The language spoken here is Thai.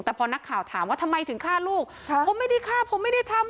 แต่พอนักข่าวถามว่าทำไมถึงฆ่าลูกผมไม่ได้ฆ่าผมไม่ได้ทำ